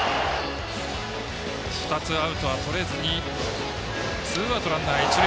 ２つアウトはとれずにツーアウト、ランナー、一塁。